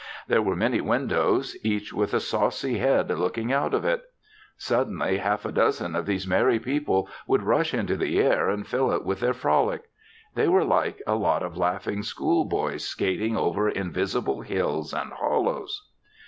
There were many windows, each with a saucy head looking out of it. Suddenly half a dozen of these merry people would rush into the air and fill it with their frolic. They were like a lot of laughing schoolboys skating over invisible hills and hollows.